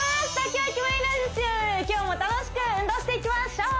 今日も楽しく運動していきましょう